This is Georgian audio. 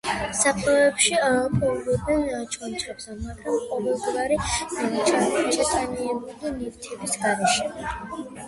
საფლავებში პოულობდნენ ჩონჩხებს, მაგრამ ყოველგვარი ჩატანებული ნივთების გარეშე.